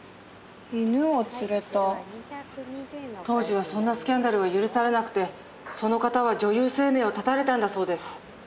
当時はそんなスキャンダルは許されなくてその方は女優生命を絶たれたんだそうです。